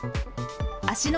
芦ノ